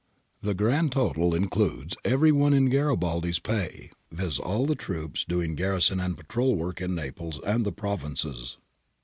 4. The grand total includes everyone in Garibaldi's pay, vis. all the troops doing garrison and patrol work in Naples and the provinces.